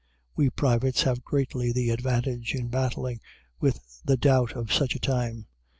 We privates have greatly the advantage in battling with the doubt of such a time.